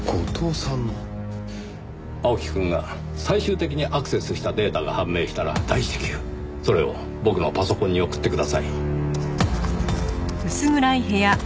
青木くんが最終的にアクセスしたデータが判明したら大至急それを僕のパソコンに送ってください。